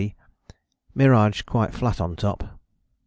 miraged quite flat on top.